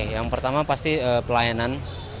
yang pertama pasti pelayanan